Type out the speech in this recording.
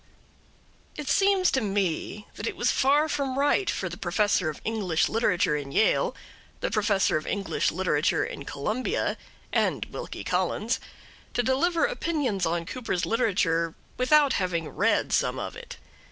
It seems to me that it was far from right for the Professor of English Literature in Yale, the Professor of English Literature in Columbia, and Wilkie Collins to deliver opinions on Cooper's literature without having read some of it.